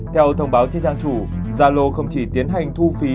theo thông báo trên trang chủ zalo không chỉ tiến hành thu phí